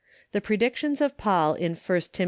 The predictions of Paul in 1 Tim.